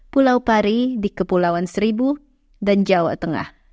pulau pari di kepulauan seribu dan jawa tengah